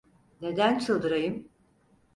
Neden çıldırayım…